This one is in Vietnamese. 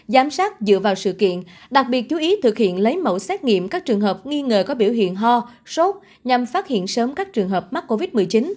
giám sát dựa vào sự kiện đặc biệt chú ý thực hiện lấy mẫu xét nghiệm các trường hợp nghi ngờ có biểu hiện ho sốt nhằm phát hiện sớm các trường hợp mắc covid một mươi chín